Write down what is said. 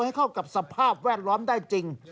ให้เข้ากับสภาพแวดล้อมได้จริง